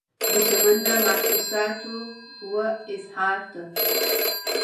د چمن د محسوساتو و اظهار ته